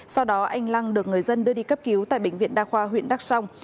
sau đó anh lăng được người dân đưa đi cấp cứu tại bệnh viện đa khoa huyện đắk song